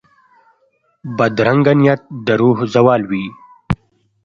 بدرنګه نیت د روح زوال وي